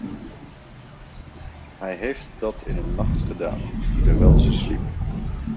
Hij heeft dat in een nacht gedaan, terwijl ze sliep.